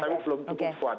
tapi belum cukup kuat